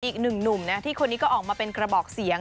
อีกหนึ่งหนุ่มนะที่คนนี้ก็ออกมาเป็นกระบอกเสียง